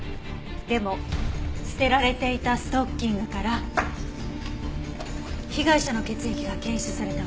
でも捨てられていたストッキングから被害者の血液が検出されたわ。